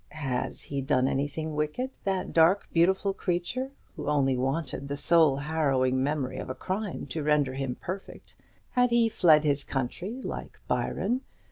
Had he done anything wicked? that dark beautiful creature, who only wanted the soul harrowing memory of a crime to render him perfect. Had he fled his country, like Byron?